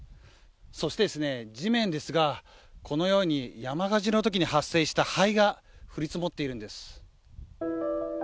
そして地面ですがこのように山火事のときに発生した灰が降り積もっているんです。